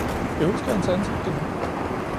Jeg husker hans ansigt endnu